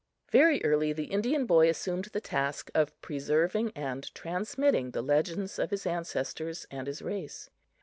Very early, the Indian boy assumed the task of preserving and transmitting the legends of his ancestors and his race.